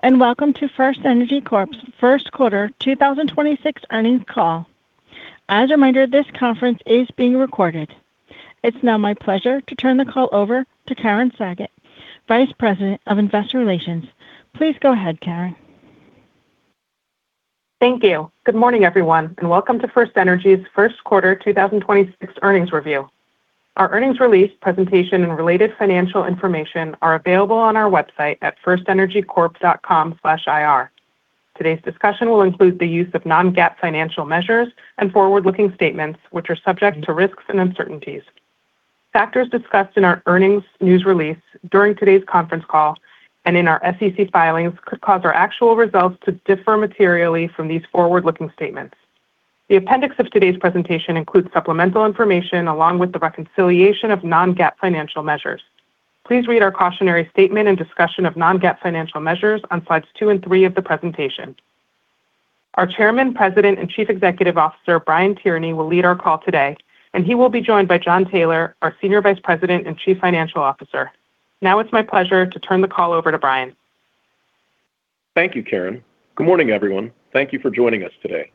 Hello, and welcome to FirstEnergy Corp's First Quarter 2026 earnings call. As a reminder, this conference is being recorded. It's now my pleasure to turn the call over to Karen Sagot, Vice President of Investor Relations. Please go ahead, Karen. Thank you. Good morning, everyone, and welcome to FirstEnergy's first quarter 2026 earnings review. Our earnings release presentation and related financial information are available on our website at firstenergycorp.com/ir. Today's discussion will include the use of non-GAAP financial measures and forward-looking statements, which are subject to risks and uncertainties. Factors discussed in our earnings news release during today's conference call and in our SEC filings could cause our actual results to differ materially from these forward-looking statements. The appendix of today's presentation includes supplemental information along with the reconciliation of non-GAAP financial measures. Please read our cautionary statement and discussion of non-GAAP financial measures on slides two and three of the presentation. Our Chairman, President, and Chief Executive Officer, Brian Tierney, will lead our call today, and he will be joined by Jon Taylor, our Senior Vice President and Chief Financial Officer. Now it's my pleasure to turn the call over to Brian. Thank you, Karen. Good morning, everyone. Thank you for joining us today.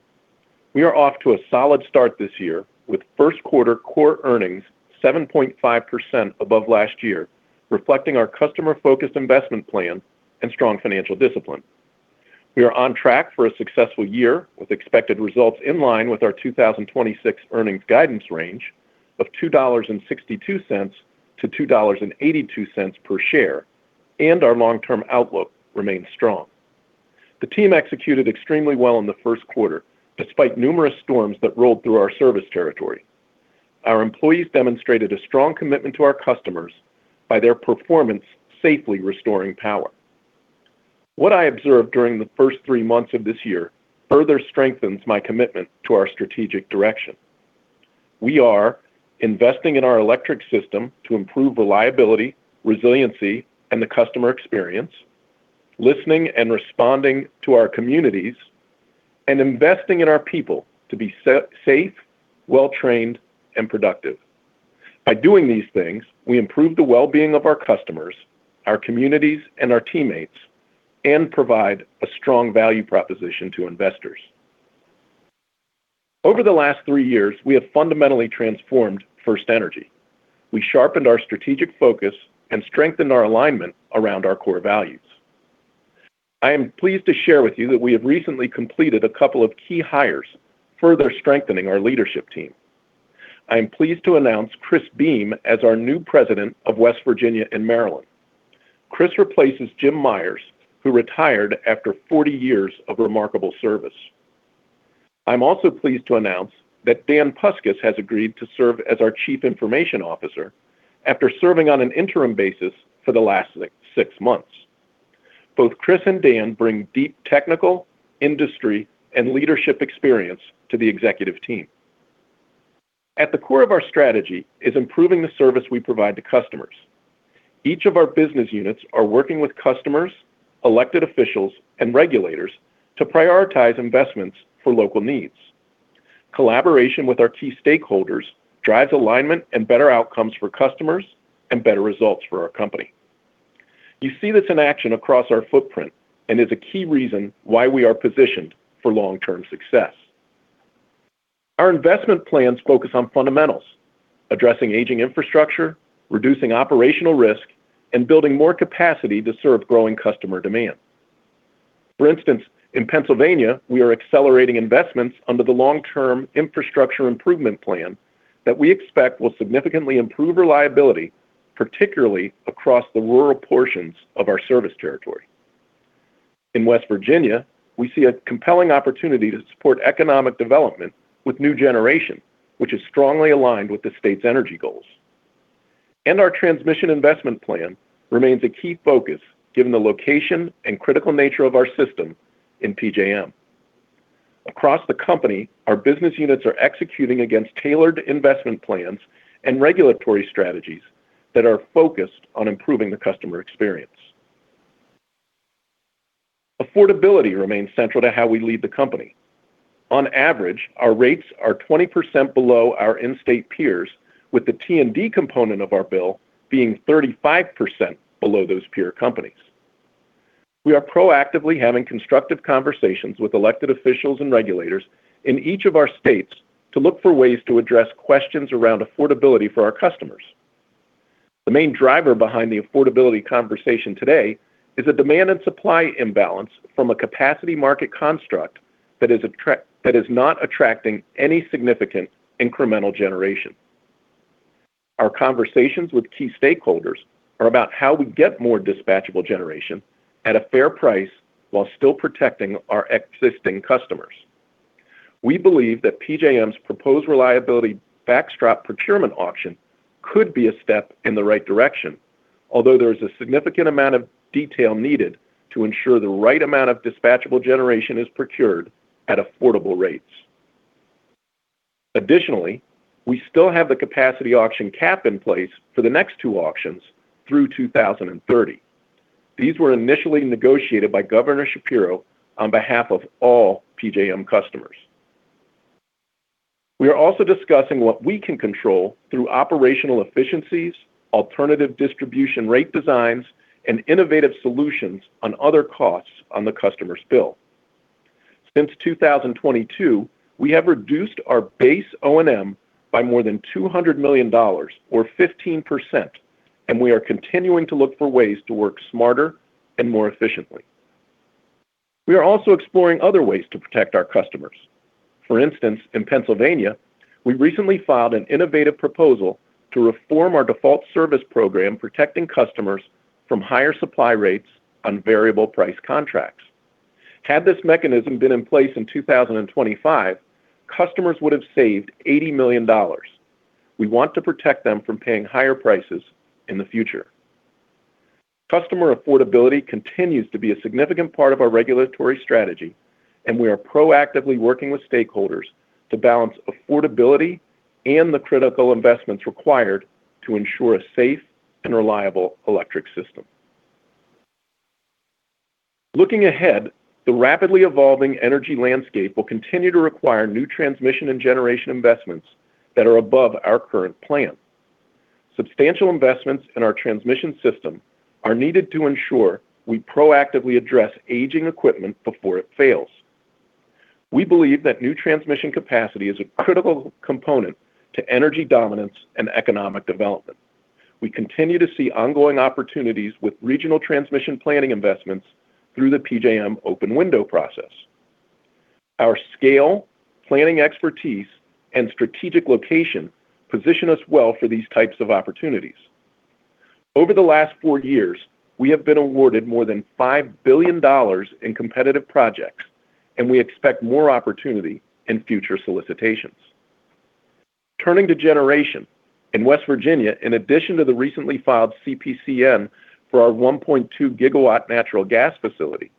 We are off to a solid start this year with first quarter Core Earnings, 7.5% above last year, reflecting our customer-focused investment plan and strong financial discipline. We are on track for a successful year with expected results in line with our 2026 earnings guidance range of $2.62 to $2.82 per share. Our long-term outlook remains strong. The team executed extremely well in the first quarter, despite numerous storms that rolled through our service territory. Our employees demonstrated a strong commitment to our customers by their performance safely restoring power. What I observed during the first three months of this year further strengthens my commitment to our strategic direction. We are investing in our electric system to improve reliability, resiliency, and the customer experience, listening and responding to our communities, and investing in our people to be safe, well-trained, and productive. By doing these things, we improve the well-being of our customers, our communities, and our teammates, and provide a strong value proposition to investors. Over the last three years, we have fundamentally transformed FirstEnergy. We sharpened our strategic focus and strengthened our alignment around our core values. I am pleased to share with you that we have recently completed a couple of key hires, further strengthening our leadership team. I am pleased to announce Chris Beam as our new President of West Virginia and Maryland. Chris replaces Jim Myers, who retired after 40 years of remarkable service. I'm also pleased to announce that Dan Puscas has agreed to serve as our Chief Information Officer after serving on an interim basis for the last 6 months. Both Chris and Dan bring deep technical, industry, and leadership experience to the executive team. At the core of our strategy is improving the service we provide to customers. Each of our business units are working with customers, elected officials, and regulators to prioritize investments for local needs. Collaboration with our key stakeholders drives alignment and better outcomes for customers and better results for our company. You see this in action across our footprint and is a key reason why we are positioned for long-term success. Our investment plans focus on fundamentals, addressing aging infrastructure, reducing operational risk, and building more capacity to serve growing customer demand. In Pennsylvania, we are accelerating investments under the Long-Term Infrastructure Improvement Plan that we expect will significantly improve reliability, particularly across the rural portions of our service territory. In West Virginia, we see a compelling opportunity to support economic development with new generation, which is strongly aligned with the state's energy goals. Our transmission investment plan remains a key focus given the location and critical nature of our system in PJM. Across the company, our business units are executing against tailored investment plans and regulatory strategies that are focused on improving the customer experience. Affordability remains central to how we lead the company. On average, our rates are 20% below our in-state peers, with the T&D component of our bill being 35% below those peer companies. We are proactively having constructive conversations with elected officials and regulators in each of our states to look for ways to address questions around affordability for our customers. The main driver behind the affordability conversation today is a demand and supply imbalance from a capacity market construct that is not attracting any significant incremental generation. Our conversations with key stakeholders are about how we get more dispatchable generation at a fair price while still protecting our existing customers. We believe that PJM's proposed reliability backstop procurement auction could be a step in the right direction, although there is a significant amount of detail needed to ensure the right amount of dispatchable generation is procured at affordable rates. Additionally, we still have the capacity auction cap in place for the next two auctions through 2030. These were initially negotiated by Governor Shapiro on behalf of all PJM customers. We are also discussing what we can control through operational efficiencies, alternative distribution rate designs, and innovative solutions on other costs on the customer's bill. Since 2022, we have reduced our base O&M by more than $200 million or 15%, and we are continuing to look for ways to work smarter and more efficiently. We are also exploring other ways to protect our customers. For instance, in Pennsylvania, we recently filed an innovative proposal to reform our default service program protecting customers from higher supply rates on variable price contracts. Had this mechanism been in place in 2025, customers would have saved $80 million. We want to protect them from paying higher prices in the future. Customer affordability continues to be a significant part of our regulatory strategy, and we are proactively working with stakeholders to balance affordability and the critical investments required to ensure a safe and reliable electric system. Looking ahead, the rapidly evolving energy landscape will continue to require new transmission and generation investments that are above our current plan. Substantial investments in our transmission system are needed to ensure we proactively address aging equipment before it fails. We believe that new transmission capacity is a critical component to energy dominance and economic development. We continue to see ongoing opportunities with regional transmission planning investments through the PJM open window process. Our scale, planning expertise, and strategic location position us well for these types of opportunities. Over the last four years, we have been awarded more than $5 billion in competitive projects, and we expect more opportunity in future solicitations. Turning to generation, in West Virginia, in addition to the recently filed CPCN for our 1.2 GW natural gas facility,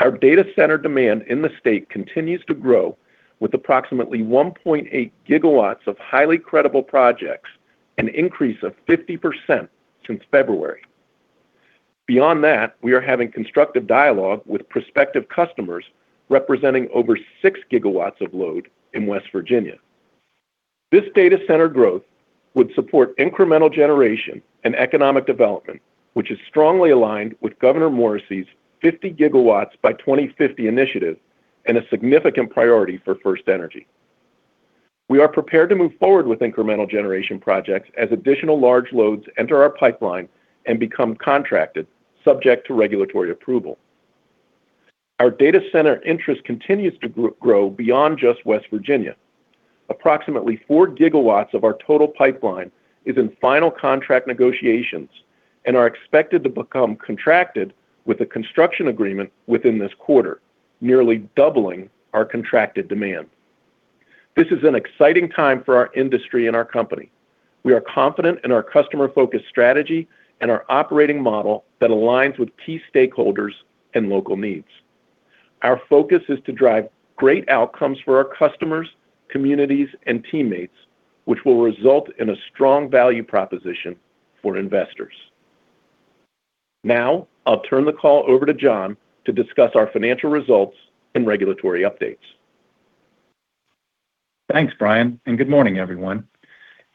our data center demand in the state continues to grow with approximately 1.8 GW of highly credible projects, an increase of 50% since February. Beyond that, we are having constructive dialogue with prospective customers representing over 6 GW of load in West Virginia. This data center growth would support incremental generation and economic development, which is strongly aligned with Governor Morrisey's 50 GW by 2050 initiative and a significant priority for FirstEnergy. We are prepared to move forward with incremental generation projects as additional large loads enter our pipeline and become contracted subject to regulatory approval. Our data center interest continues to grow beyond just West Virginia. Approximately 4 GW of our total pipeline is in final contract negotiations and are expected to become contracted with a construction agreement within this quarter, nearly doubling our contracted demand. This is an exciting time for our industry and our company. We are confident in our customer-focused strategy and our operating model that aligns with key stakeholders and local needs. Our focus is to drive great outcomes for our customers, communities, and teammates, which will result in a strong value proposition for investors. Now, I'll turn the call over to Jon to discuss our financial results and regulatory updates. Thanks, Brian. Good morning, everyone.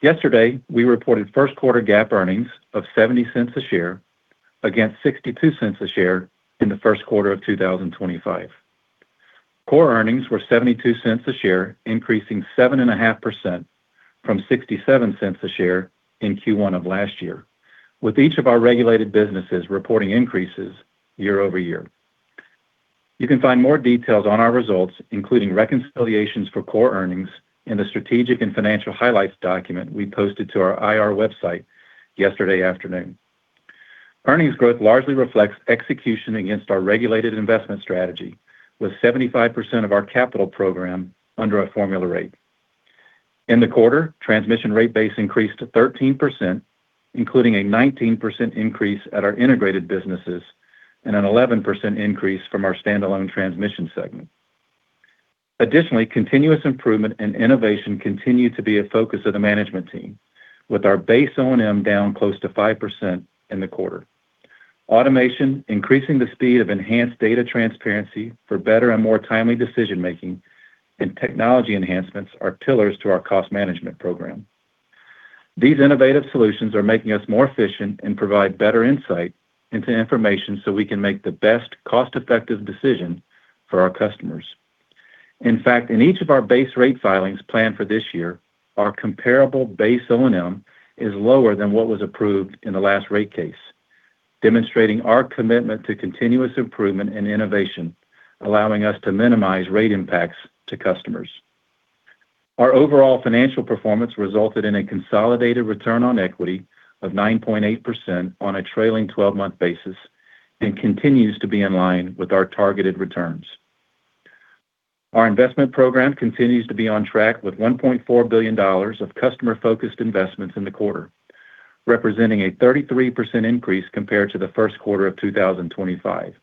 Yesterday, we reported first quarter GAAP earnings of $0.70 a share against $0.62 a share in the first quarter of 2025. Core Earnings were $0.72 a share, increasing 7.5% from $0.67 a share in Q1 of last year, with each of our regulated businesses reporting increases year-over-year. You can find more details on our results, including reconciliations for Core Earnings in the strategic and financial highlights document we posted to our IR website yesterday afternoon. Earnings growth largely reflects execution against our regulated investment strategy, with 75% of our capital program under a formula rate. In the quarter, transmission rate base increased to 13%, including a 19% increase at our integrated businesses and an 11% increase from our Stand-Alone Transmission segment. Additionally, continuous improvement and innovation continue to be a focus of the management team with our base O&M down close to 5% in the quarter. Automation, increasing the speed of enhanced data transparency for better and more timely decision-making and technology enhancements are pillars to our cost management program. These innovative solutions are making us more efficient and provide better insight into information so we can make the best cost-effective decision for our customers. In fact, in each of our base rate filings planned for this year, our comparable base O&M is lower than what was approved in the last rate case, demonstrating our commitment to continuous improvement and innovation, allowing us to minimize rate impacts to customers. Our overall financial performance resulted in a consolidated return on equity of 9.8% on a trailing 12-month basis and continues to be in line with our targeted returns. Our investment program continues to be on track with $1.4 billion of customer-focused investments in the quarter, representing a 33% increase compared to the first quarter of 2025,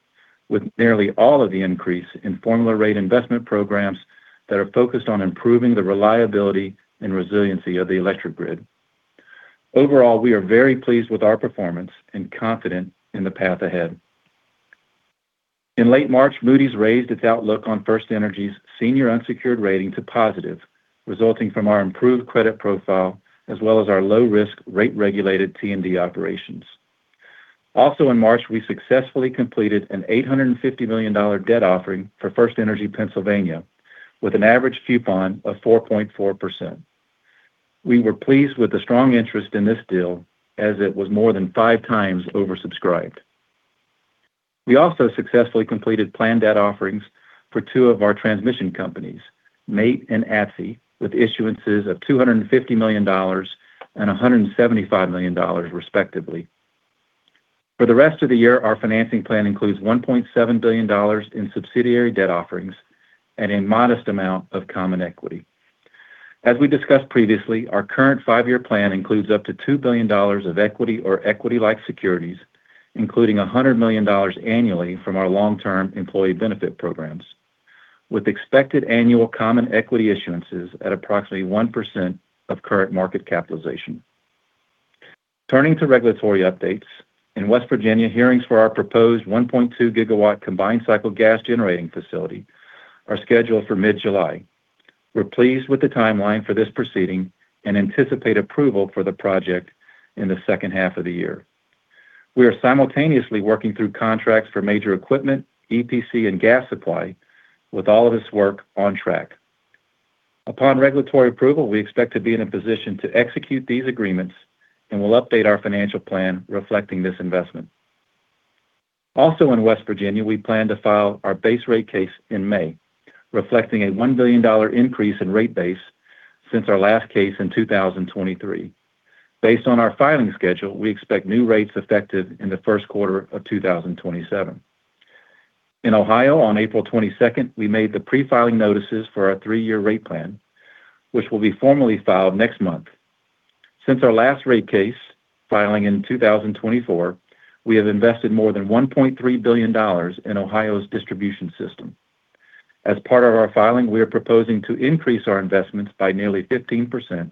with nearly all of the increase in formula rate investment programs that are focused on improving the reliability and resiliency of the electric grid. Overall, we are very pleased with our performance and confident in the path ahead. In late March, Moody's raised its outlook on FirstEnergy's senior unsecured rating to positive, resulting from our improved credit profile as well as our low-risk rate-regulated T&D operations. Also in March, we successfully completed an $850 million debt offering for FirstEnergy Pennsylvania with an average coupon of 4.4%. We were pleased with the strong interest in this deal as it was more than five times oversubscribed. We also successfully completed planned debt offerings for two of our transmission companies, MAIT and ATSI, with issuances of $250 million and $175 million respectively. For the rest of the year, our financing plan includes $1.7 billion in subsidiary debt offerings and a modest amount of common equity. As we discussed previously, our current five-year plan includes up to $2 billion of equity or equity-like securities, including $100 million annually from our long-term employee benefit programs, with expected annual common equity issuances at approximately 1% of current market capitalization. Turning to regulatory updates, in West Virginia, hearings for our proposed 1.2 GW combined-cycle gas generating facility are scheduled for mid-July. We're pleased with the timeline for this proceeding and anticipate approval for the project in the second half of the year. We are simultaneously working through contracts for major equipment, EPC, and gas supply, with all of this work on track. Upon regulatory approval, we expect to be in a position to execute these agreements, and we'll update our financial plan reflecting this investment. Also in West Virginia, we plan to file our base rate case in May, reflecting a $1 billion increase in rate base since our last case in 2023. Based on our filing schedule, we expect new rates effective in the first quarter of 2027. In Ohio, on April 22nd, we made the pre-filing notices for our three-year rate plan, which will be formally filed next month. Since our last rate case filing in 2024, we have invested more than $1.3 billion in Ohio's distribution system. As part of our filing, we are proposing to increase our investments by nearly 15%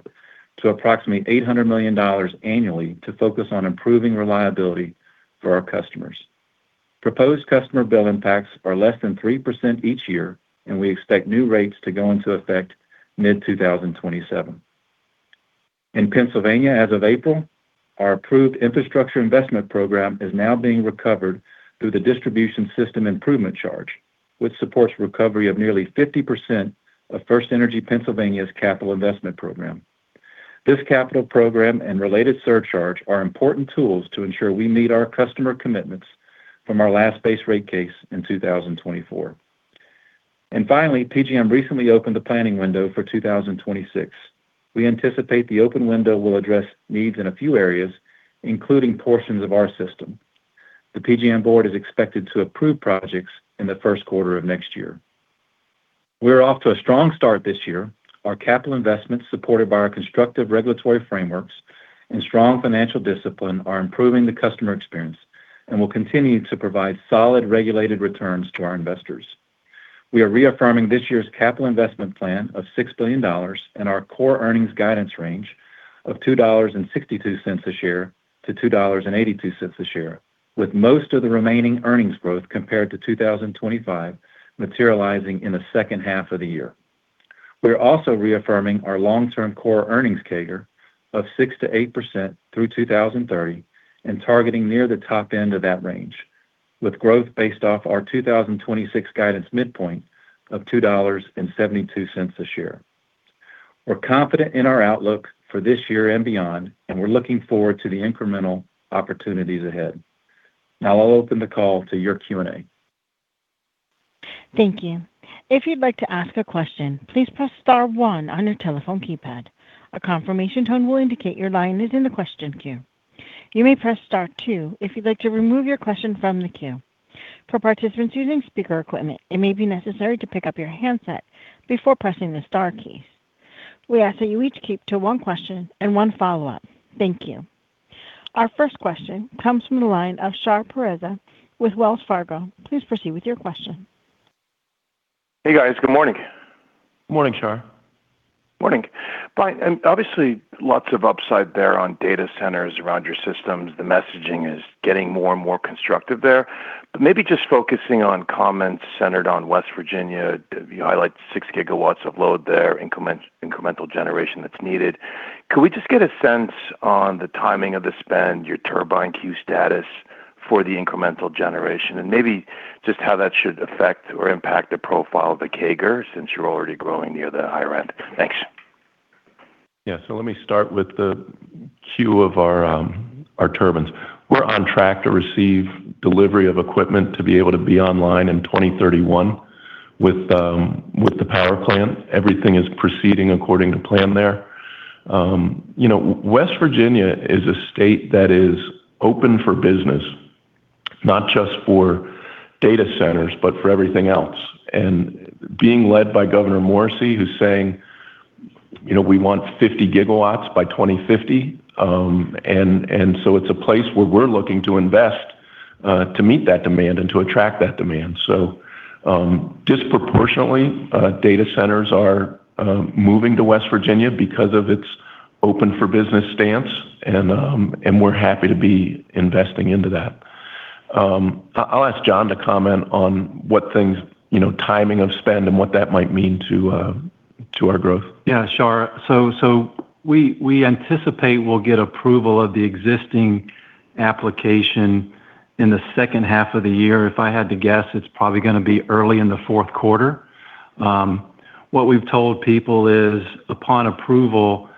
to approximately $800 million annually to focus on improving reliability for our customers. Proposed customer bill impacts are less than 3% each year, and we expect new rates to go into effect mid-2027. In Pennsylvania, as of April, our approved infrastructure investment program is now being recovered through the Distribution System Improvement Charge, which supports recovery of nearly 50% of FirstEnergy Pennsylvania's capital investment program. This capital program and related surcharge are important tools to ensure we meet our customer commitments from our last base rate case in 2024. Finally, PJM recently opened the planning window for 2026. We anticipate the open window will address needs in a few areas, including portions of our system. The PJM board is expected to approve projects in the first quarter of next year. We're off to a strong start this year. Our capital investments, supported by our constructive regulatory frameworks and strong financial discipline, are improving the customer experience and will continue to provide solid regulated returns to our investors. We are reaffirming this year's capital investment plan of $6 billion and our Core Earnings guidance range of $2.62 a share to $2.82 a share, with most of the remaining earnings growth compared to 2025 materializing in the second half of the year. We're also reaffirming our long-term Core Earnings CAGR of 6%-8% through 2030 and targeting near the top end of that range, with growth based off our 2026 guidance midpoint of $2.72 a share. We're confident in our outlook for this year and beyond, and we're looking forward to the incremental opportunities ahead. Now I'll open the call to your Q&A. Our first question comes from the line of Shar Pourreza with Wells Fargo. Please proceed with your question. Hey, guys. Good morning. Morning, Shar. Morning. Fine. Obviously, lots of upside there on data centers around your systems. The messaging is getting more and more constructive there. Maybe just focusing on comments centered on West Virginia, you highlight 6 GW of load there, incremental generation that's needed. Could we just get a sense on the timing of the spend, your turbine queue status for the incremental generation, and maybe just how that should affect or impact the profile of the CAGR since you're already growing near the higher end? Thanks. Yeah. Let me start with the queue of our turbines. We're on track to receive delivery of equipment to be able to be online in 2031 with the power plant. Everything is proceeding according to plan there. You know, West Virginia is a state that is open for business, not just for data centers, but for everything else. Being led by Patrick Morrisey, who's saying, you know, we want 50 GW by 2050. It's a place where we're looking to invest to meet that demand and to attract that demand. Disproportionately, data centers are moving to West Virginia because of its open-for-business stance, and we're happy to be investing into that. I'll ask Jon to comment on what things, you know, timing of spend and what that might mean to our growth. Yeah, sure. WE anticipate we'll get approval of the existing application in the second half of the year. If I had to guess, it's probably gonna be early in the Fourth Quarter. What we've told people is upon approval,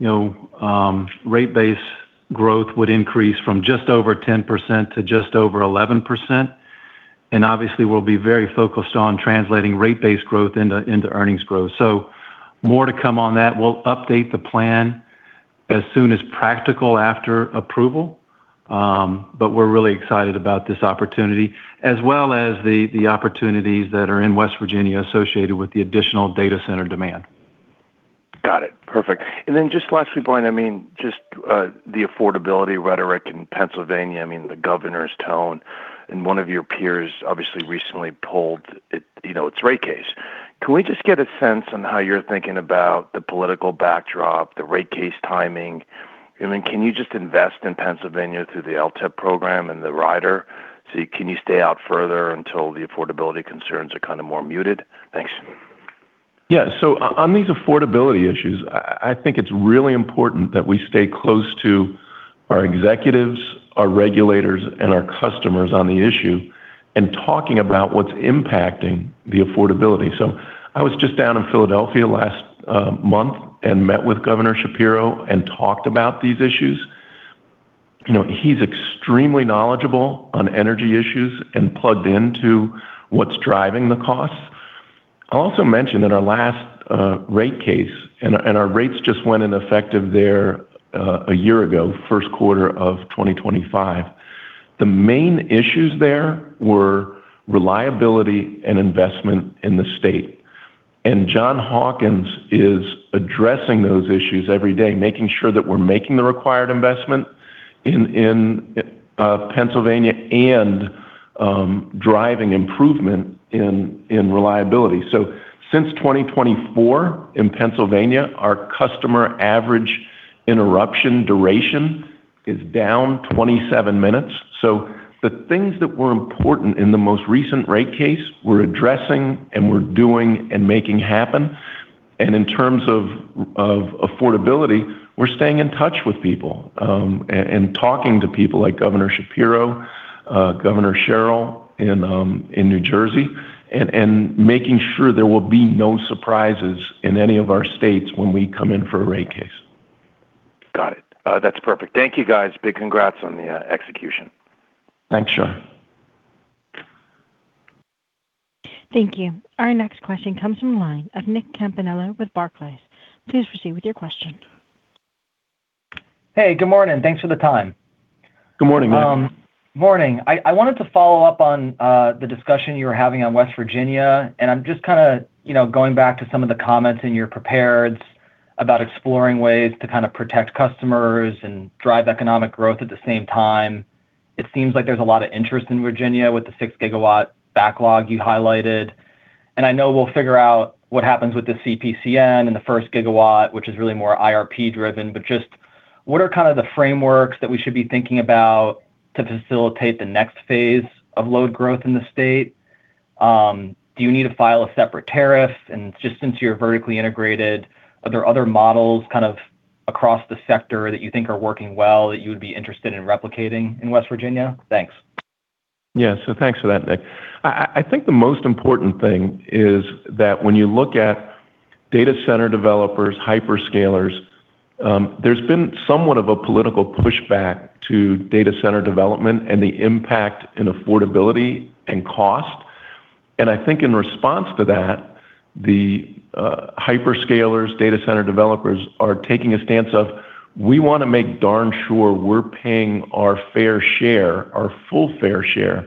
you know, rate base growth would increase from just over 10% to just over 11%, and obviously, we'll be very focused on translating rate base growth into earnings growth. More to come on that. We'll update the plan as soon as practical after approval, but we're really excited about this opportunity as well as the opportunities that are in West Virginia associated with the additional data center demand. Got it. Perfect. Lastly, Brian, I mean, just, the affordability rhetoric in Pennsylvania, I mean, the governor's tone, and one of your peers obviously recently pulled it, you know, its rate case. Can we just get a sense on how you're thinking about the political backdrop, the rate case timing? Can you just invest in Pennsylvania through the LTIIP program and the rider? Can you stay out further until the affordability concerns are kind of more muted? Thanks. Yeah. On these affordability issues, I think it's really important that we stay close to our executives, our regulators, and our customers on the issue and talking about what's impacting the affordability. I was just down in Philadelphia last month and met with Governor Shapiro and talked about these issues. You know, he's extremely knowledgeable on energy issues and plugged into what's driving the costs. I also mentioned in our last rate case, and our rates just went in effective there a year ago, first quarter of 2025. The main issues there were reliability and investment in the state. John Hawkins is addressing those issues every day, making sure that we're making the required investment in Pennsylvania and driving improvement in reliability. Since 2024 in Pennsylvania, our customer average interruption duration is down 27 minutes. The things that were important in the most recent rate case we're addressing and we're doing and making happen. In terms of affordability, we're staying in touch with people and talking to people like Governor Shapiro, Governor Sherrill in New Jersey, and making sure there will be no surprises in any of our states when we come in for a rate case. Got it. That's perfect. Thank you, guys. Big congrats on the execution. Thanks, Shar. Thank you. Our next question comes from the line of Nick Campanella with Barclays. Please proceed with your question. Hey, good morning. Thanks for the time. Good morning, Nick. Morning. I wanted to follow up on the discussion you were having on West Virginia, and I'm just kinda, you know, going back to some of the comments in your prepareds about exploring ways to kinda protect customers and drive economic growth at the same time. It seems like there's a lot of interest in West Virginia with the 6 GW backlog you highlighted. I know we'll figure out what happens with the CPCN and the first gigawatt, which is really more IRP driven, but just what are kind of the frameworks that we should be thinking about to facilitate the next phase of load growth in the state? Do you need to file a separate tariff? Just since you're vertically integrated, are there other models kind of across the sector that you think are working well that you would be interested in replicating in West Virginia? Thanks. Yeah. Thanks for that, Nick. I think the most important thing is that when you look at data center developers, hyperscalers, there's been somewhat of a political pushback to data center development and the impact in affordability and cost. I think in response to that, the hyperscalers, data center developers are taking a stance of, "We wanna make darn sure we're paying our fair share, our full fair share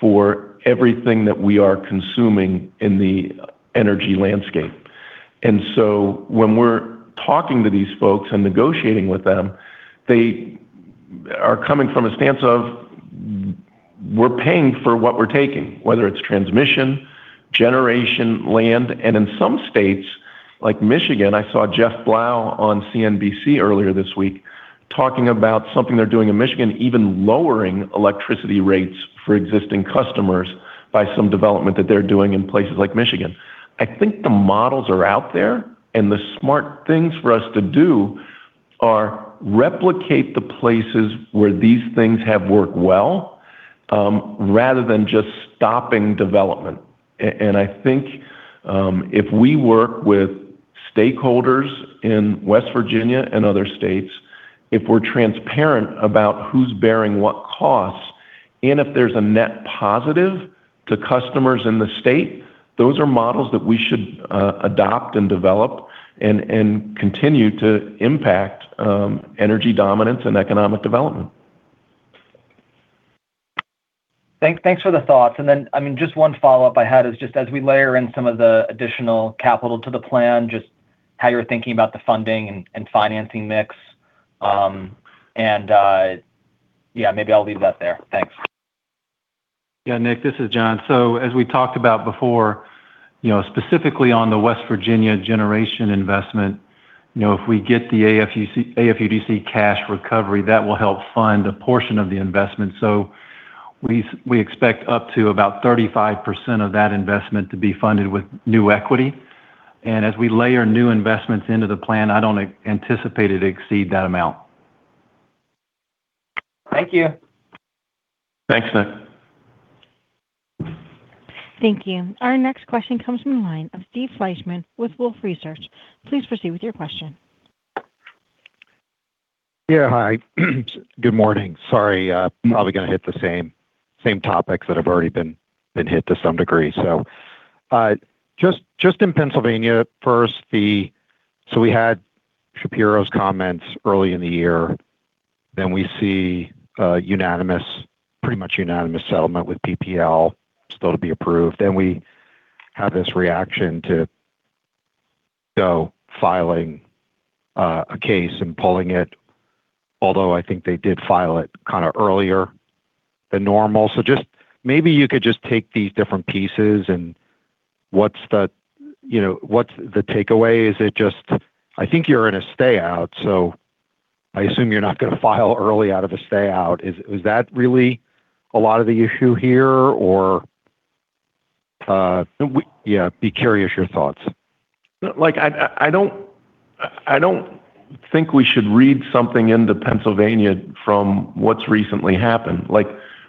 for everything that we are consuming in the energy landscape." When we're talking to these folks and negotiating with them, they are coming from a stance of, "We're paying for what we're taking, whether it's transmission, generation, land." In some states, like Michigan, I saw Jeff Blau on CNBC earlier this week talking about something they're doing in Michigan, even lowering electricity rates for existing customers by some development that they're doing in places like Michigan. I think the models are out there, and the smart things for us to do are replicate the places where these things have worked well, rather than just stopping development. I think, if we work with stakeholders in West Virginia and other states, if we're transparent about who's bearing what costs, and if there's a net positive to customers in the state, those are models that we should adopt and develop and continue to impact energy dominance and economic development. Thanks for the thoughts. I mean, just one follow-up I had is just as we layer in some of the additional capital to the plan, just how you're thinking about the funding and financing mix. Yeah, maybe I'll leave that there. Thanks. Yeah, Nick, this is Jon. As we talked about before, you know, specifically on the West Virginia generation investment, you know, if we get the AFUDC cash recovery, that will help fund a portion of the investment. We expect up to about 35% of that investment to be funded with new equity. As we layer new investments into the plan, I don't anticipate it to exceed that amount. Thank you. Thanks, Nick. Thank you. Our next question comes from the line of Steve Fleishman with Wolfe Research. Please proceed with your question. Yeah. Hi. Good morning. Sorry, probably gonna hit the same topics that have already been hit to some degree. In Pennsylvania, we had Shapiro's comments early in the year, then we see a unanimous, pretty much unanimous settlement with PPL still to be approved. We have this reaction to go filing a case and pulling it, although I think they did file it kinda earlier than normal. Just maybe you could just take these different pieces and what's the, you know, what's the takeaway? Is it just? I think you're in a stay out, so I assume you're not gonna file early out of a stay out. Is that really a lot of the issue here or? Be curious your thoughts. I don't think we should read something into Pennsylvania from what's recently happened.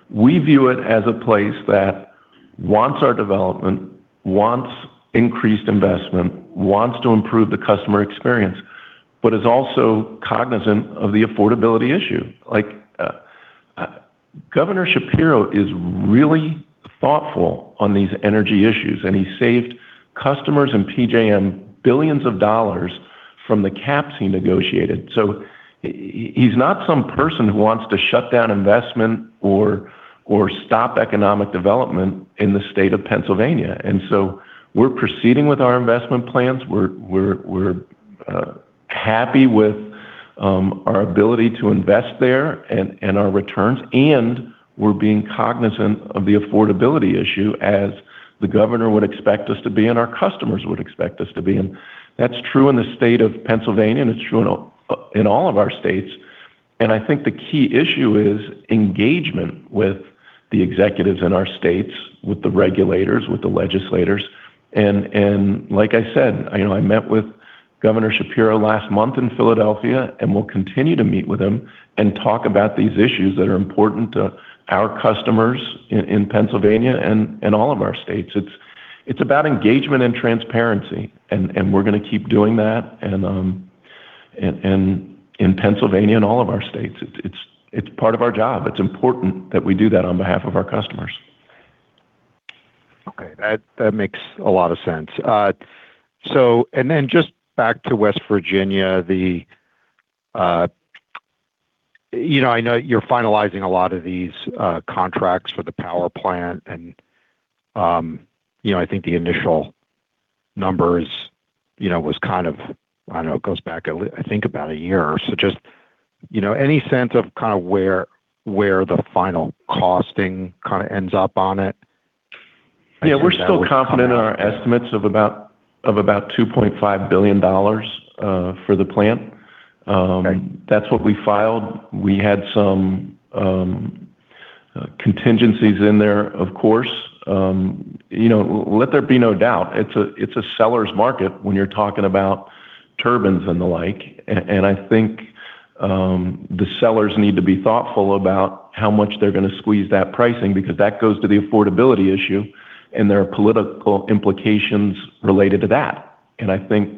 We view it as a place that wants our development, wants increased investment, wants to improve the customer experience, but is also cognizant of the affordability issue. Governor Shapiro is really thoughtful on these energy issues, and he saved customers and PJM billions of dollars from the caps he negotiated. He's not some person who wants to shut down investment or stop economic development in the state of Pennsylvania. We're proceeding with our investment plans. We're happy with our ability to invest there and our returns. We're being cognizant of the affordability issue as the governor would expect us to be and our customers would expect us to be. That's true in the state of Pennsylvania, and it's true in all of our states. I think the key issue is engagement with the executives in our states, with the regulators, with the legislators. Like I said, you know, I met with Governor Shapiro last month in Philadelphia, and we'll continue to meet with him and talk about these issues that are important to our customers in Pennsylvania and all of our states. It's about engagement and transparency, and we're gonna keep doing that. In Pennsylvania and all of our states. It's part of our job. It's important that we do that on behalf of our customers. That makes a lot of sense. Just back to West Virginia, the, you know, I know you're finalizing a lot of these contracts for the power plant and, you know, I think the initial numbers, you know, was kind of, I don't know, it goes back I think about a year or so. Just, you know, any sense of kinda where the final costing kinda ends up on it? Yeah. We're still confident in our estimates of about $2.5 billion for the plant. Okay. That's what we filed. We had some contingencies in there, of course. You know, let there be no doubt, it's a, it's a seller's market when you're talking about turbines and the like. I think the sellers need to be thoughtful about how much they're gonna squeeze that pricing because that goes to the affordability issue, and there are political implications related to that. I think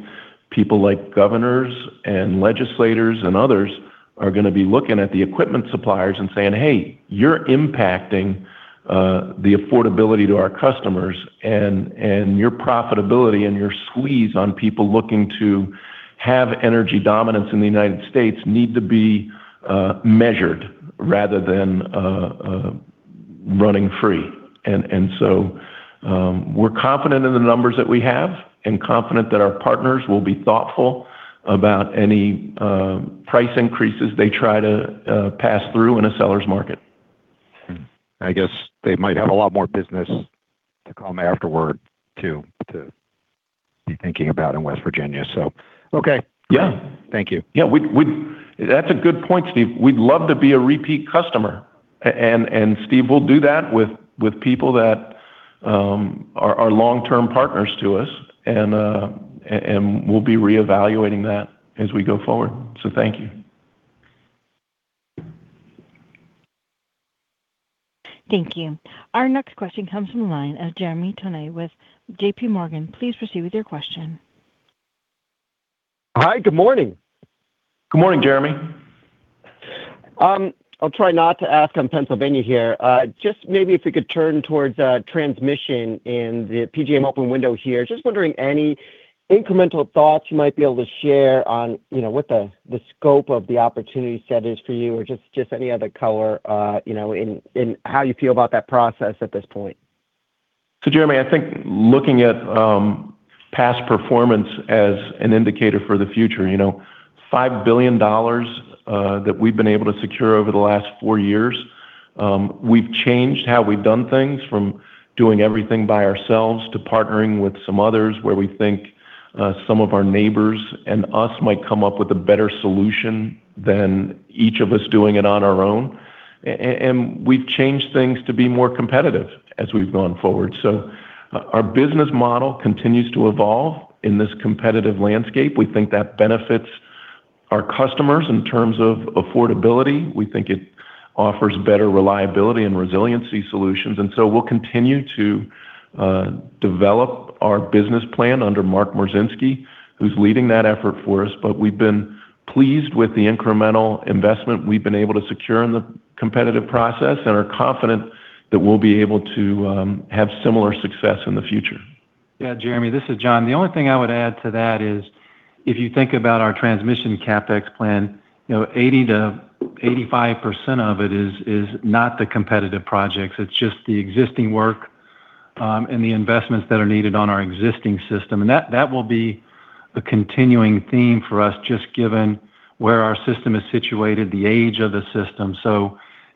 people like governors and legislators and others are gonna be looking at the equipment suppliers and saying, "Hey, you're impacting the affordability to our customers, and your profitability and your squeeze on people looking to have energy dominance in the U.S. need to be measured rather than running free." We're confident in the numbers that we have and confident that our partners will be thoughtful about any price increases they try to pass through in a seller's market. I guess they might have a lot more business to come afterward to be thinking about in West Virginia, so. Okay. Yeah. Thank you. Yeah. That's a good point, Steve. We'd love to be a repeat customer. Steve, we'll do that with people that are long-term partners to us and we'll be reevaluating that as we go forward. Thank you. Thank you. Our next question comes from the line of Jeremy Tonet with JPMorgan. Please proceed with your question. Hi. Good morning. Good morning, Jeremy. I'll try not to ask on Pennsylvania here. Just maybe if we could turn towards transmission in the PJM open window here. Just wondering any incremental thoughts you might be able to share on, you know, what the scope of the opportunity set is for you or just any other color, you know, in how you feel about that process at this point. Jeremy, I think looking at past performance as an indicator for the future, you know, $5 billion that we've been able to secure over the last 4 years, we've changed how we've done things from doing everything by ourselves to partnering with some others where we think some of our neighbors and us might come up with a better solution than each of us doing it on our own. We've changed things to be more competitive as we've gone forward. Our business model continues to evolve in this competitive landscape. We think that benefits our customers in terms of affordability. We think it offers better reliability and resiliency solutions. We'll continue to develop our business plan under Mark Mroczynski, who's leading that effort for us. We've been pleased with the incremental investment we've been able to secure in the competitive process and are confident that we'll be able to have similar success in the future. Yeah, Jeremy, this is Jon. The only thing I would add to that is if you think about our transmission CapEx plan, 80%-85% of it is not the competitive projects. It's just the existing work and the investments that are needed on our existing system. That will be a continuing theme for us, just given where our system is situated, the age of the system.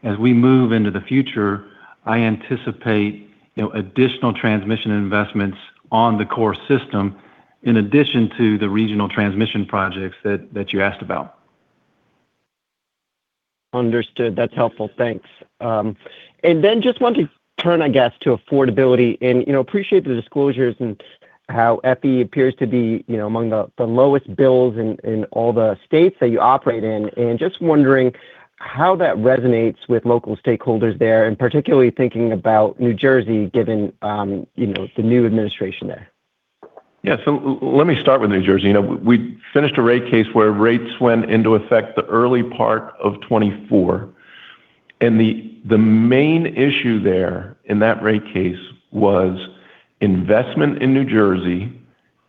As we move into the future, I anticipate additional transmission investments on the core system in addition to the regional transmission projects that you asked about. Understood. That's helpful. Thanks. Then just want to turn, I guess, to affordability and, you know, appreciate the disclosures and how FE appears to be, you know, among the lowest bills in all the states that you operate in. Just wondering how that resonates with local stakeholders there, and particularly thinking about New Jersey given, you know, the new administration there. Yeah. Let me start with New Jersey. You know, we finished a rate case where rates went into effect the early part of 2024. The main issue there in that rate case was investment in New Jersey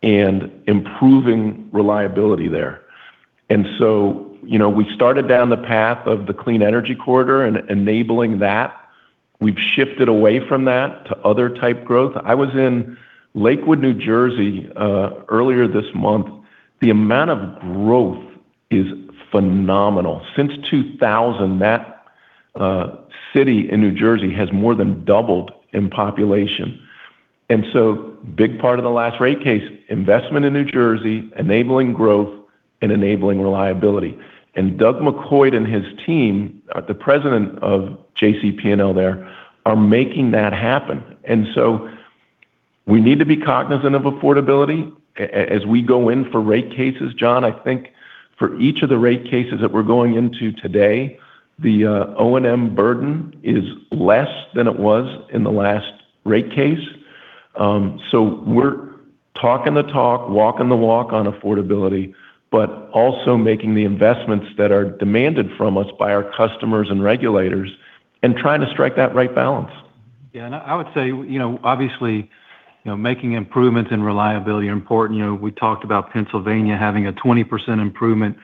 and improving reliability there. You know, we started down the path of the Clean Energy Corridor and enabling that. We've shifted away from that to other type growth. I was in Lakewood, New Jersey earlier this month. The amount of growth is phenomenal. Since 2000, that city in New Jersey has more than doubled in population. Big part of the last rate case, investment in New Jersey, enabling growth and enabling reliability. Doug Mokoid and his team, the President of JCP&L there, are making that happen. We need to be cognizant of affordability as we go in for rate cases. Jon, I think for each of the rate cases that we're going into today, the O&M burden is less than it was in the last rate case. We're talking the talk, walking the walk on affordability, but also making the investments that are demanded from us by our customers and regulators and trying to strike that right balance. Yeah. I would say, you know, obviously, you know, making improvements in reliability are important. You know, we talked about Pennsylvania having a 20% improvement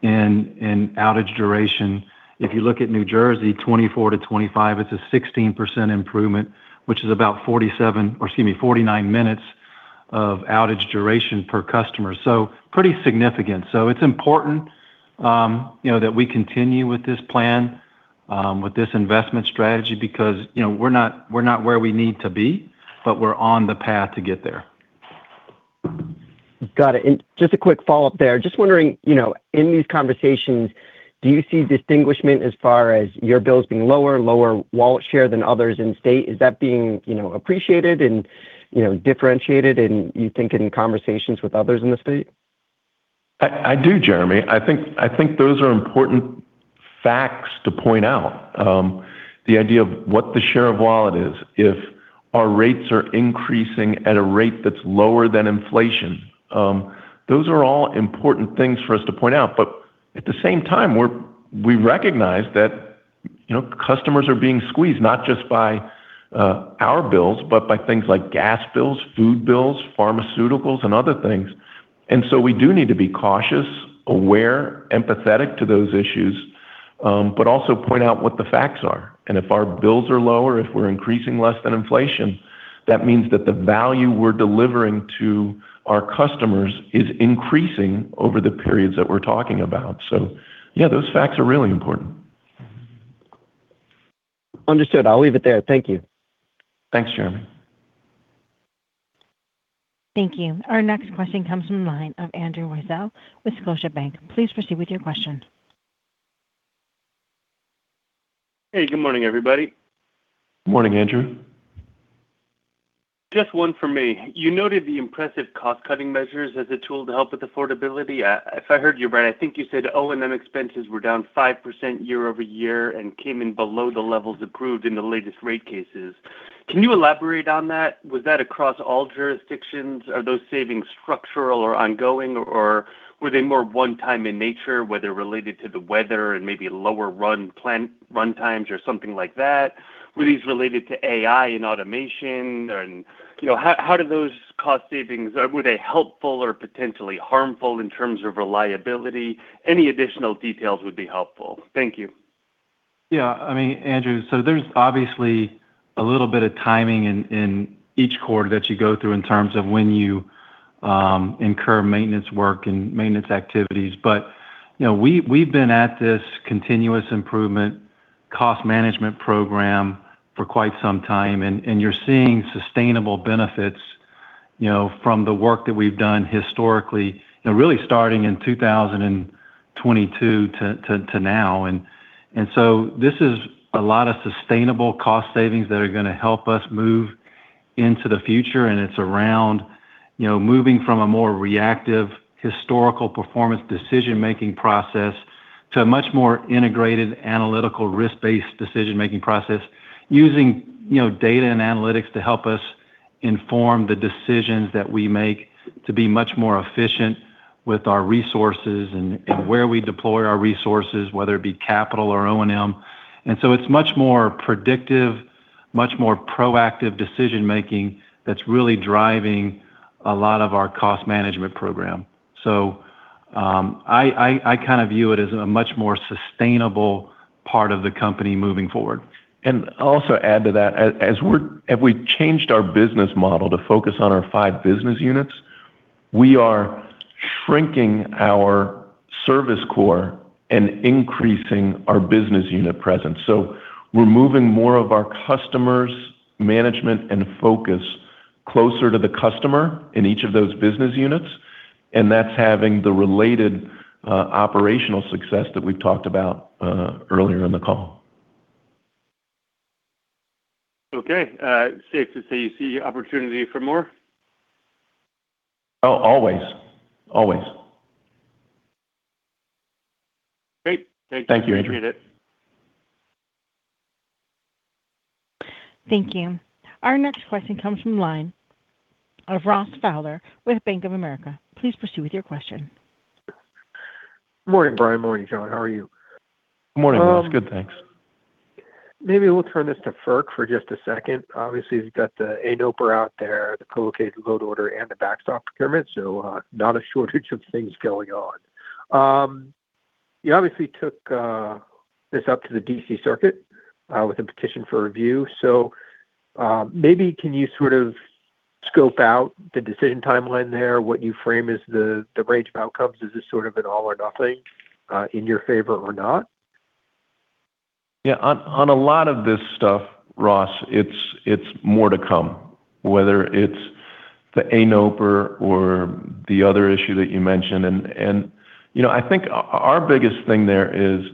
in outage duration. If you look at New Jersey, 24 to 25, it's a 16% improvement, which is about 47 or, excuse me, 49 minutes of outage duration per customer. Pretty significant. It's important, you know, that we continue with this plan, with this investment strategy because, you know, we're not where we need to be, but we're on the path to get there. Got it. Just a quick follow-up there. Just wondering, you know, in these conversations, do you see distinguishment as far as your bills being lower wallet share than others in the state? Is that being, you know, appreciated and, you know, differentiated and you think in conversations with others in the state? I do, Jeremy. I think those are important facts to point out. The idea of what the share of wallet is, if our rates are increasing at a rate that's lower than inflation, those are all important things for us to point out. At the same time, we recognize that, you know, customers are being squeezed, not just by our bills, but by things like gas bills, food bills, pharmaceuticals, and other things. We do need to be cautious, aware, empathetic to those issues, but also point out what the facts are. If our bills are lower, if we're increasing less than inflation, that means that the value we're delivering to our customers is increasing over the periods that we're talking about. Yeah, those facts are really important. Understood. I'll leave it there. Thank you. Thanks, Jeremy. Thank you. Our next question comes from the line of Andrew Weisel with Scotiabank. Please proceed with your question. Hey, good morning, everybody. Morning, Andrew. Just one for me. You noted the impressive cost-cutting measures as a tool to help with affordability. If I heard you right, I think you said O&M expenses were down 5% year-over-year and came in below the levels approved in the latest rate cases. Can you elaborate on that? Was that across all jurisdictions? Are those savings structural or ongoing, or were they more one time in nature, were they related to the weather and maybe lower run times or something like that? Were these related to AI and automation? You know, how do those cost savings, were they helpful or potentially harmful in terms of reliability? Any additional details would be helpful. Thank you. Yeah. I mean, Andrew, there's obviously a little bit of timing in each quarter that you go through in terms of when you incur maintenance work and maintenance activities. You know, we've been at this continuous improvement cost management program for quite some time, and you're seeing sustainable benefits, you know, from the work that we've done historically, you know, really starting in 2022 to now. This is a lot of sustainable cost savings that are gonna help us move into the future, it's around, you know, moving from a more reactive historical performance decision-making process to a much more integrated analytical risk-based decision-making process using, you know, data and analytics to help us inform the decisions that we make to be much more efficient with our resources and where we deploy our resources, whether it be capital or O&M. It's much more predictive, much more proactive decision-making that's really driving a lot of our cost management program. I kind of view it as a much more sustainable part of the company moving forward. I'll also add to that, as we changed our business model to focus on our five business units, we are shrinking our service core and increasing our business unit presence. We're moving more of our customers management and focus closer to the customer in each of those business units, and that's having the related operational success that we've talked about earlier in the call. Okay. Safe to say you see opportunity for more? Oh, always. Always. Great. Thank you. Thank you, Andrew. Appreciate it. Thank you. Our next question comes from the line of Ross Fowler with Bank of America. Please proceed with your question. Morning, Brian. Morning, Jon. How are you? Morning, Ross. Good, thanks. Maybe we'll turn this to FERC for just a second. Obviously, you've got the ANOPR out there, the co-located load order, and the backstop procurement, so not a shortage of things going on. You obviously took this up to the D.C. Circuit with a petition for review. Maybe can you sort of scope out the decision timeline there, what you frame as the range of outcomes? Is this sort of an all or nothing in your favor or not? Yeah. On a lot of this stuff, Ross, it's more to come, whether it's the ANOPR or the other issue that you mentioned. You know, I think our biggest thing there is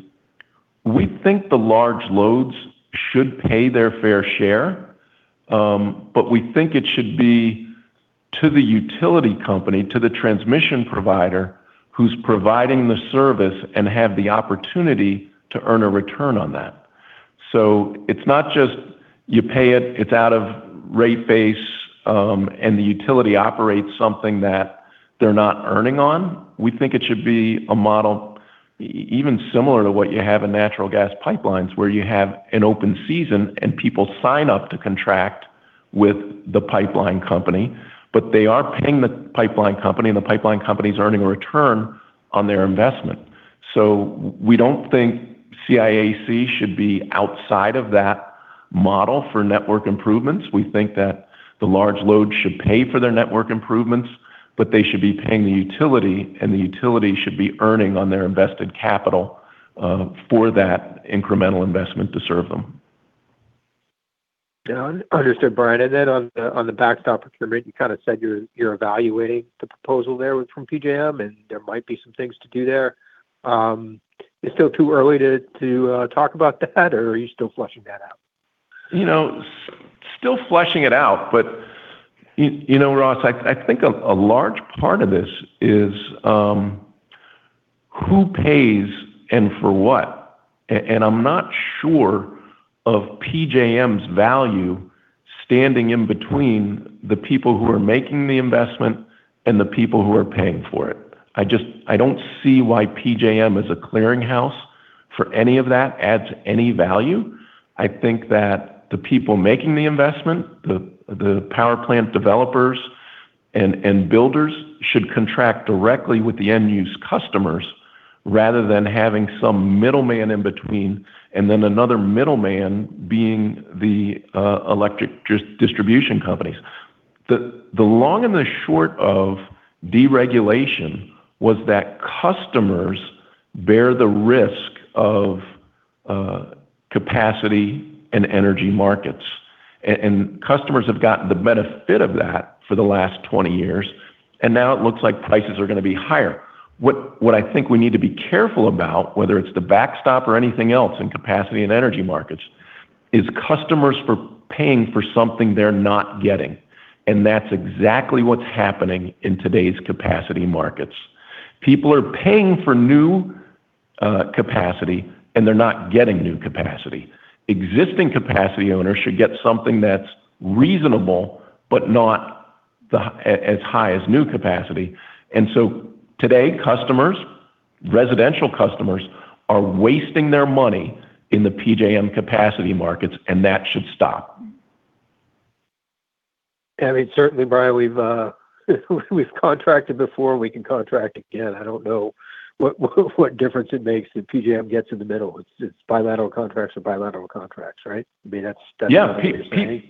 we think the large loads should pay their fair share. We think it should be to the utility company, to the transmission provider who's providing the service and have the opportunity to earn a return on that. It's not just you pay it's out of rate base, and the utility operates something that they're not earning on. We think it should be a model even similar to what you have in natural gas pipelines, where you have an open season and people sign up to contract with the pipeline company, but they are paying the pipeline company, and the pipeline company's earning a return on their investment. We don't think CIAC should be outside of that model for network improvements. We think that the large load should pay for their network improvements, but they should be paying the utility, and the utility should be earning on their invested capital for that incremental investment to serve them. Yeah. Understood, Brian. Then on the backstop procurement, you kind of said you're evaluating the proposal there from PJM. There might be some things to do there. It's still too early to talk about that, or are you still fleshing that out? You know, still fleshing it out. You know, Ross, I think a large part of this is who pays and for what? I'm not sure of PJM's value standing in between the people who are making the investment and the people who are paying for it. I don't see why PJM as a clearing house for any of that adds any value. I think that the people making the investment, the power plant developers and builders, should contract directly with the end-use customers rather than having some middleman in between, and then another middleman being the electric distribution companies. The long and the short of deregulation was that customers bear the risk of capacity in energy markets. Customers have gotten the benefit of that for the last 20 years, now it looks like prices are gonna be higher. What I think we need to be careful about, whether it's the backstop or anything else in capacity and energy markets, is customers for paying for something they're not getting, that's exactly what's happening in today's capacity markets. People are paying for new capacity, they're not getting new capacity. Existing capacity owners should get something that's reasonable but not as high as new capacity. Today, customers, residential customers are wasting their money in the PJM capacity markets, that should stop. I mean, certainly, Brian, we've contracted before, we can contract again. I don't know what difference it makes if PJM gets in the middle. It's bilateral contracts are bilateral contracts, right? I mean, Yeah. I understand.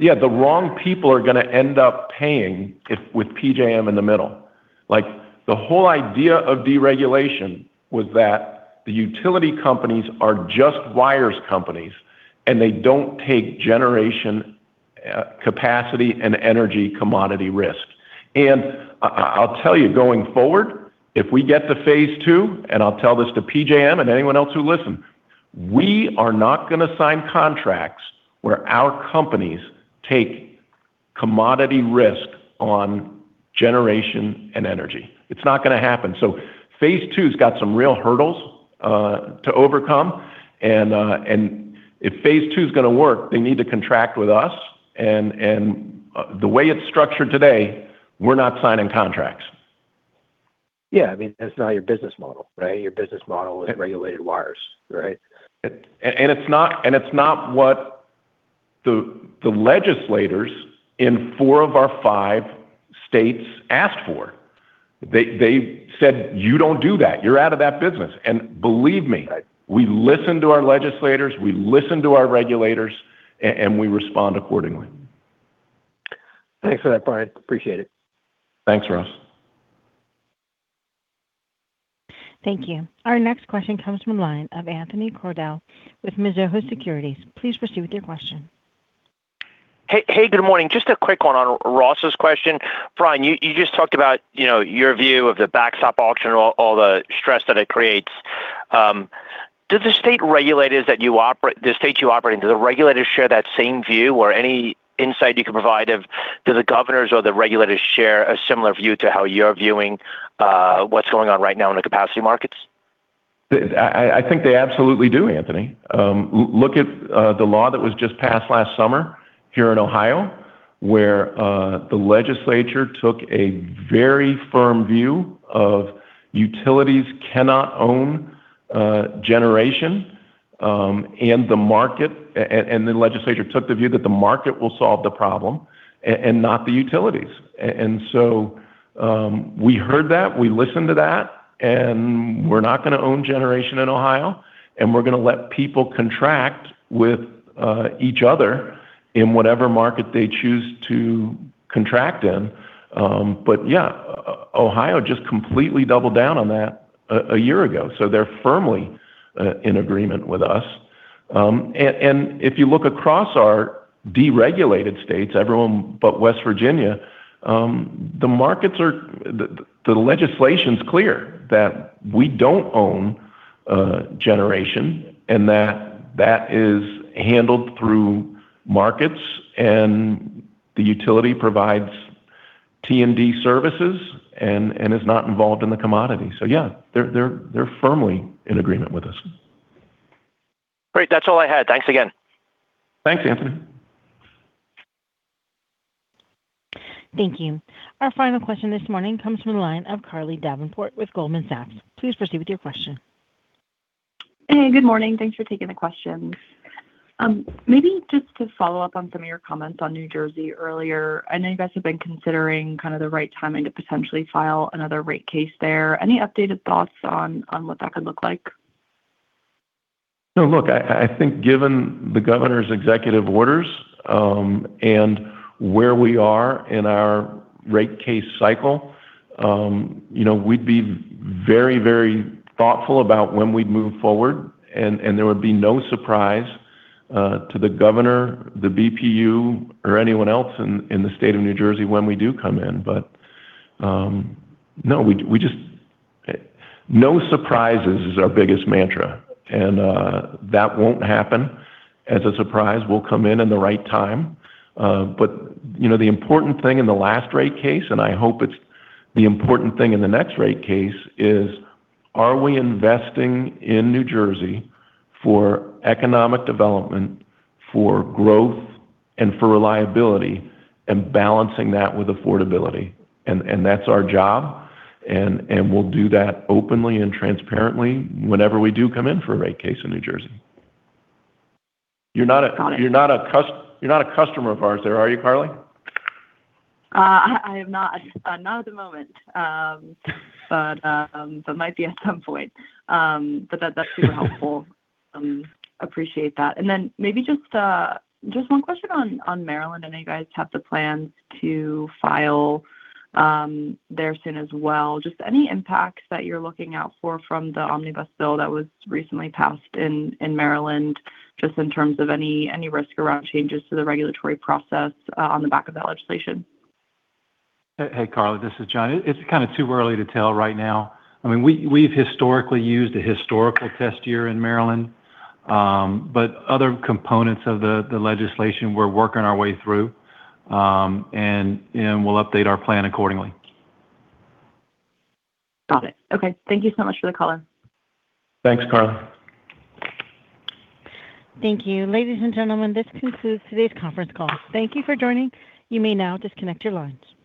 Yeah, the wrong people are going to end up paying if with PJM in the middle. The whole idea of deregulation was that the utility companies are just wires companies, and they don't take generation, capacity, and energy commodity risk. I'll tell you, going forward, if we get to Phase II, and I'll tell this to PJM and anyone else who listen, we are not going to sign contracts where our companies take commodity risk on generation and energy. It's not going to happen. Phase II's got some real hurdles to overcome and if Phase II's going to work, they need to contract with us. The way it's structured today, we're not signing contracts. Yeah. I mean, that's not your business model, right? It-... is regulated wires, right? It's not what the legislators in four of our five states asked for. They said, "You don't do that. You're out of that business." Believe me- Right we listen to our legislators, we listen to our regulators, and we respond accordingly. Thanks for that, Brian. Appreciate it. Thanks, Ross. Thank you. Our next question comes from the line of Anthony Crowdell with Mizuho Securities. Please proceed with your question. Hey, hey, good morning. Just a quick one on Ross's question. Brian, you just talked about, you know, your view of the backstop auction, all the stress that it creates. Do the state regulators the states you operate in, do the regulators share that same view? Or any insight you can provide of do the governors or the regulators share a similar view to how you're viewing what's going on right now in the capacity markets? I think they absolutely do, Anthony Crowdell. Look at the law that was just passed last summer here in Ohio, where the legislature took a very firm view of utilities cannot own generation and the market. The legislature took the view that the market will solve the problem and not the utilities. We heard that, we listened to that, and we're not gonna own generation in Ohio, and we're gonna let people contract with each other in whatever market they choose to contract in. Yeah, Ohio just completely doubled down on that a year ago, so they're firmly in agreement with us. If you look across our deregulated states, everyone but West Virginia, the legislation's clear that we don't own generation and that that is handled through markets, and the utility provides T&D services and is not involved in the commodity. Yeah, they're firmly in agreement with us. Great. That's all I had. Thanks again. Thanks, Anthony. Thank you. Our final question this morning comes from the line of Carly Davenport with Goldman Sachs. Please proceed with your question. Hey, good morning. Thanks for taking the questions. Maybe just to follow up on some of your comments on New Jersey earlier. I know you guys have been considering kind of the right timing to potentially file another rate case there. Any updated thoughts on what that could look like? No, look, I think given the governor's executive orders, and where we are in our rate case cycle, you know, we'd be very, very thoughtful about when we'd move forward and there would be no surprise to the governor, the BPU, or anyone else in the state of New Jersey when we do come in. No. No surprises is our biggest mantra and that won't happen as a surprise. We'll come in in the right time. You know, the important thing in the last rate case, and I hope it's the important thing in the next rate case is, are we investing in New Jersey for economic development, for growth, and for reliability, and balancing that with affordability? That's our job, and we'll do that openly and transparently whenever we do come in for a rate case in New Jersey. Got it. you're not a customer of ours there, are you, Carly? I am not at the moment. Might be at some point. That's super helpful. Appreciate that. Then maybe just one question on Maryland. I know you guys have the plans to file there soon as well. Just any impacts that you're looking out for from the omnibus bill that was recently passed in Maryland, just in terms of any risk around changes to the regulatory process on the back of that legislation? Hey, Carly, this is Jon. It's kind of too early to tell right now. I mean, we've historically used a historical test year in Maryland, but other components of the legislation we're working our way through, and we'll update our plan accordingly. Got it. Okay. Thank you so much for the color. Thanks, Carly. Thank you. Ladies and gentlemen, this concludes today's conference call. Thank you for joining. You may now disconnect your lines.